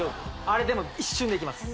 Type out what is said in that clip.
あれでも一瞬でいきます